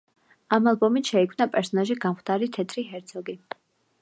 ამ ალბომით შეიქმნა პერსონაჟი „გამხდარი თეთრი ჰერცოგი“.